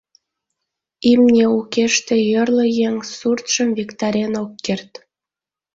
Имне укеште йорло еҥ суртшым виктарен ок керт.